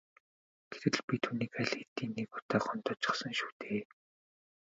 Гэтэл би түүнийг аль хэдийн нэг удаа гомдоочихсон шүү дээ.